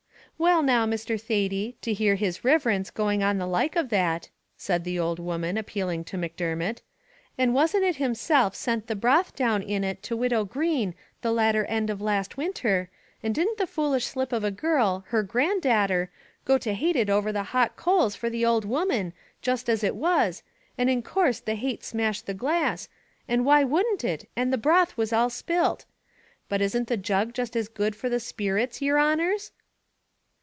"Well now, Mr. Thady, to hear his riverence going on the like of that," said the old woman, appealing to Macdermot; "and wasn't it himself sent the broth down in it to Widow Green the latter end of last winter, and didn't the foolish slip of a girl, her grand dater, go to hait it over the hot coals for the ould woman, jist as it was, and in course the hait smashed the glass, and why wouldn't it, and the broth was all spilt? But isn't the jug just as good for the sperits, yer honers?"